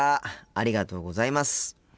ありがとうございます。